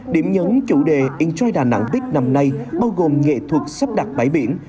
điểm nhấn chủ đề enjoy đà nẵng big năm nay bao gồm nghệ thuật sắp đặt bãi biển